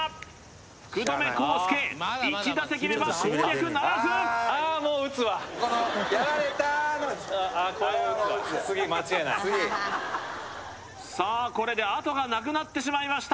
福留孝介１打席目は攻略ならずこのやられたのあれはもう打つ次さあこれであとがなくなってしまいました